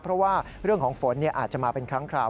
เพราะว่าเรื่องของฝนอาจจะมาเป็นครั้งคราว